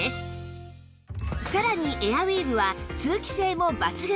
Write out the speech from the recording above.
さらにエアウィーヴは通気性も抜群